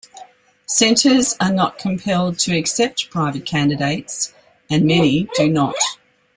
Centres are not compelled to accept private candidates, and many do not.